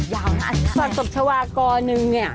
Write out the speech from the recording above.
ยาวนะอันนี้ค่ะสัตว์ผักตบชาวากรณ์หนึ่ง